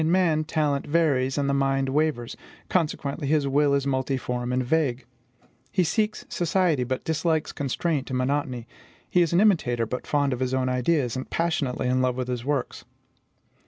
In man, talent varies, and the mind wavers; consequently, his will is multiform and vague. He seeks society, but dislikes constraint and monotony; he is an imitator, but fond of his own ideas, and passionately in love with his works.